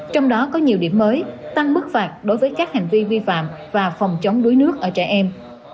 trong đó có nhiều điểm mới tăng mức phạt đối với các hành vi vi phạm và phòng chống đuối nước ở trẻ em